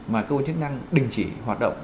mà cơ quan chức năng đình chỉ hoạt động